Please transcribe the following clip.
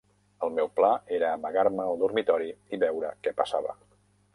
El meu pla era amargar-me al dormitori i veure que passava.